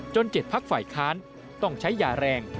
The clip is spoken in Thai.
จนเจ็ดพักฝ่ายค้านต้องใช้ยาแรง